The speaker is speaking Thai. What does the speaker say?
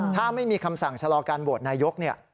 ถ้าไม่มีคำสั่งชะลอการโหวตนายกเนี่ย